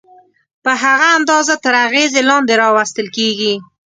په هغه اندازه تر اغېزې لاندې راوستل کېږي.